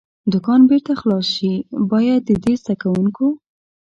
دوکان بېرته خلاص شي، باید د دې زده کوونکو.